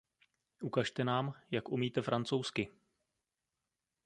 Ukažte nám, jak umíte francouzsky.